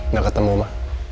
ga ketemu ma